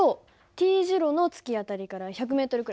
Ｔ字路の突き当たりから１００ｍくらい。